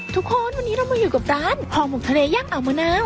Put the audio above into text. ทุกวันวันนี้เรามาอยู่กับร้านห่อหมกทะเลย่างอ่าวมะนาว